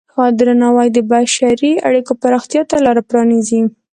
درناوی د بشري اړیکو پراختیا ته لاره پرانیزي.